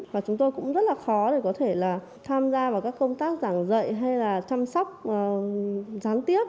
và chúng tôi cũng rất là khó để có thể là tham gia vào các công tác giảng dạy hay là chăm sóc gián tiếp